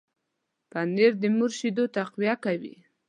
پنېر د مور شیدو تقویه کوي.